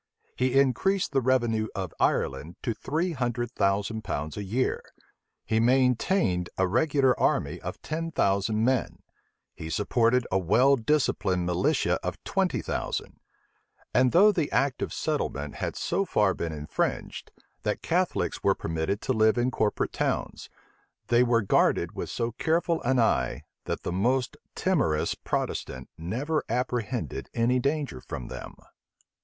He increased the revenue of Ireland to three hundred thousand pounds a year: he maintained a regular army of ten thousand men: he supported a well disciplined militia of twenty thousand: and though the act of settlement had so far been infringed, that Catholics were permitted to live in corporate towns, they were guarded with so careful an eye, that the most timorous Protestant never apprehended any danger from them.